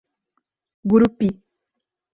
Gurupi